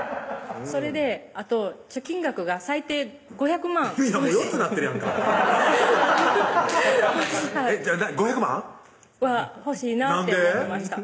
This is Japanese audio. それであと貯金額が最低５００万いや４つなってるやんか５００万？は欲しいなって思いました